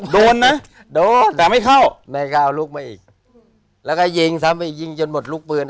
โดนนะโดนแต่ไม่เข้าแม่ก็เอาลูกมาอีกแล้วก็ยิงทำไปยิงจนหมดลูกปืน